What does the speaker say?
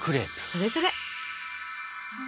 それそれ。